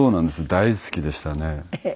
大好きでしたね。